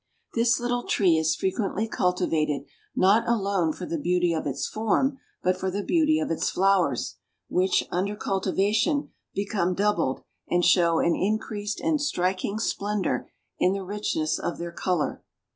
This little tree is frequently cultivated not alone for the beauty of its form, but for the beauty of its flowers, which, under cultivation, become doubled and show an increased and striking splendor in the richness of their color.